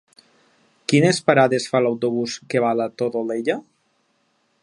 Quines parades fa l'autobús que va a la Todolella?